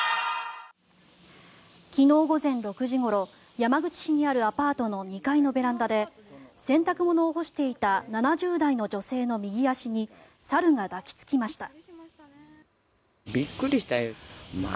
昨日午前６時ごろ山口市にあるアパートの２階のベランダで洗濯物を干していた７０代の女性の右足に猿が抱きつきました。